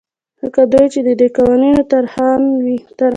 لکه دوی چې د دې قوانینو طراحان وي.